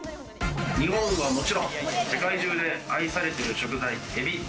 日本はもちろん、世界中で愛されている食材エビ。